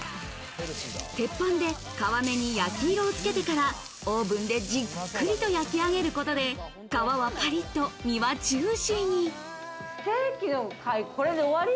鉄板で皮目に焼き色をつけてからオーブンでじっくりと焼き上げることでステーキの会、これで終わり？